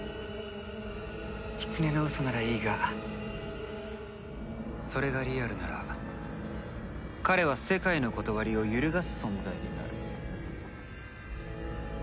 キツネのウソならいいがそれがリアルなら彼は世界の理を揺るがす存在になる。